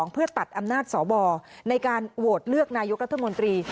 เพื่อตัดอำนาจสวในการโหวตเลือกนายกรัฐมนตรี